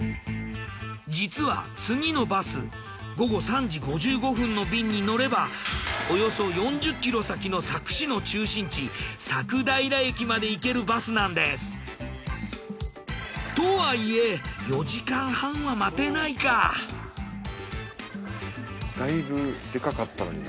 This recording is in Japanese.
実は次のバス午後３時５５分の便に乗ればおよそ４０ｋｍ先の佐久市の中心地佐久平駅まで行けるバスなんです。とはいえ４時間半は待てないかぁ。だいぶでかかったのにな